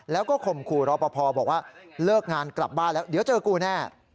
แล้วก็ข่มขู่รอปภบอกว่าเลิกงานกลับบ้านแล้วเดี๋ยวเจอกูแน่